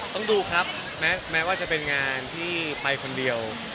ต้องดูครับแม้ว่าจะเป็นงานที่ไปคนเดียว